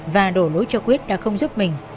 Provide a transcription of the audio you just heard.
và đổ lối cho quyết đã không giúp mình